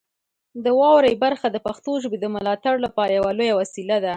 د واورئ برخه د پښتو ژبې د ملاتړ لپاره یوه لویه وسیله ده.